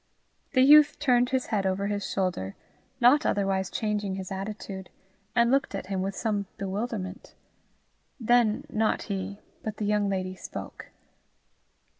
The youth turned his head over his shoulder, not otherwise changing his attitude, and looked at him with some bewilderment. Then, not he, but the young lady spoke.